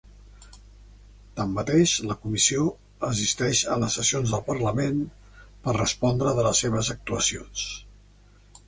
Tanmateix, la comissió assisteix a les sessions del parlament per respondre de les seves actuacions.